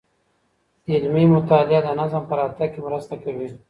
علمي مطالعه د نظم په راتګ کي مرسته کوي.